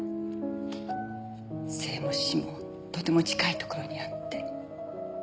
生も死もとても近いところにあって。